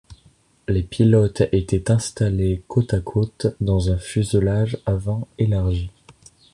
Les pilotes étaient installés côte à côte dans un fuselage avant élargi.